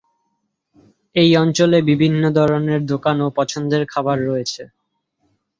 এই অঞ্চলে বিভিন্ন ধরণের দোকান ও পছন্দের খাবার রয়েছে।